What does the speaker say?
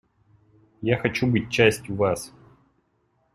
Я хочу быть частью вас.